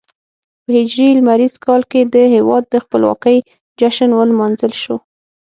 په هجري لمریز کال کې د هېواد د خپلواکۍ جشن ولمانځل شو.